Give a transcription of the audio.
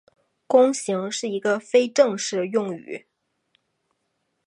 弓形是一个非正式用语。